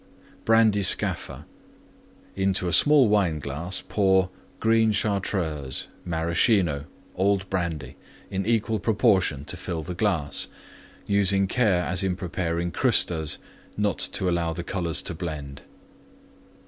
BRANDY SCAFFA Into a small Wineglass pour: Green Chartreuse. Maraschino. Old Brandy. In equal proportion to fill the glass, using care as in preparing Crustas, not to allow the colors to blend.